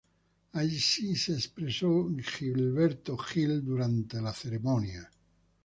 Así se expresó Gilberto Gil durante la ceremonia.